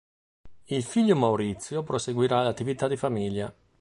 Il figlio Maurizio proseguirà l'attività di famiglia.